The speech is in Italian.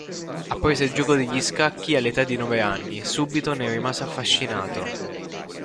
Apprese il gioco degli scacchi all'età di nove anni e subito ne rimase affascinato.